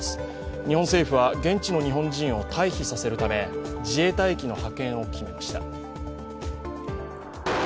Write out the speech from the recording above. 日本政府は、現地の日本人を退避させるため、自衛隊機の派遣を決めました。